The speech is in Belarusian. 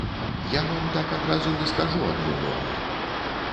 Я вам так адразу не скажу адну норму.